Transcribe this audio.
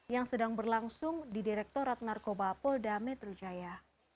yang sedang berlangsung di direktorat narkoba polda metro jaya